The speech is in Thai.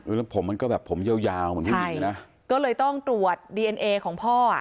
แล้วผมมันก็แบบผมเยาว์เยาว์ใช่ก็เลยต้องตรวจดีเอ็นเอของพ่อ